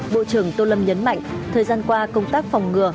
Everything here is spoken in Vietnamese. bộ trưởng tô lâm nhấn mạnh thời gian qua công tác phòng ngừa